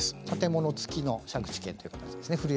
建物付きの借地権ということですね